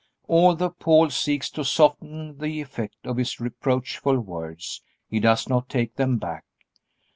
Although Paul seeks to soften the effect of his reproachful words, he does not take them back.